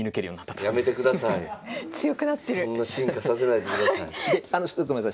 そんな進化させないでください。